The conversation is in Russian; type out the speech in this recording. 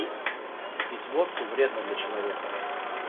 Пить водку вредно для человека